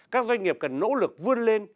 các doanh nghiệp cần nỗ lực vươn lên